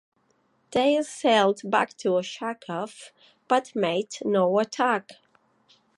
They sailed back to Ochakov but made no attack.